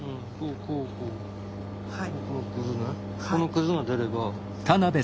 このクズが出ればＯＫ。